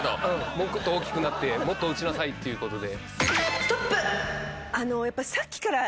もっと大きくなってもっと打ちなさいってことで。